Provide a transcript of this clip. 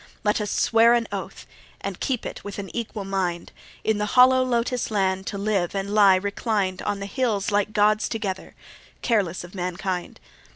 Let us swear an oath, and keep it with an equal mind, In the hollow Lotos land to live and lie reclined On the hills like Gods together, careless of mankind.